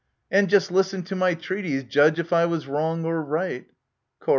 And just listen to my treaties : judge if I was wrong or right Chor.